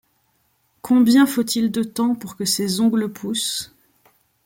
Combien faut-il de temps pour que ses ongles poussent ?